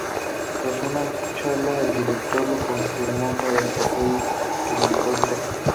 Tras una charla el director lo confirmó para el papel en el corto.